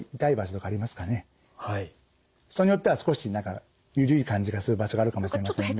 人によっては少し何か緩い感じがする場所があるかもしれませんが。